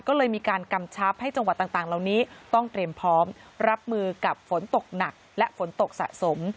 ก็เลยมีการกำชับให้จังหวัดต่างเหล่านี้ต้องเตรียมพร้อมรับมือกับฝนตกหนักและฝนตกสะสม